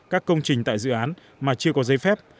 các công trình tại dự án mà chưa có giấy phép